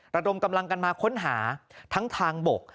ระดมกำลังกันมาค้นหาทั้งทางบก